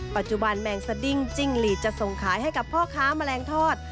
ปัจจุบันแมงสดิ้งจิ้งหลีดจะส่งขายให้กับพ่อค้าแมลงทอด